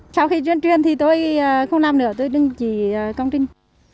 sau khi tuyên truyền thì tôi không làm nữa tôi đừng chỉ công trình